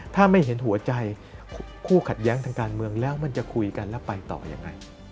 ถ้าไม่เห็นหัวใจคู่ขัดแย้งทางการเมืองแล้วมันจะคุยกันแล้วไปต่อยังไง